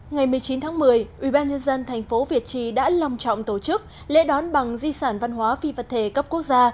ngày một mươi chín tháng một mươi ubnd tp việt trì đã lòng trọng tổ chức lễ đón bằng di sản văn hóa phi vật thể cấp quốc gia